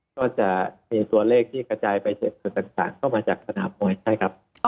ก็จะมีตัวเลขที่กระจายไปเสร็จส่วนต่างเข้ามาจากสนามมวยใช่ครับ